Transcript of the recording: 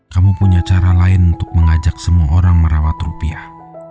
kamu punya cara lain untuk mengajak semua orang merawat rupiah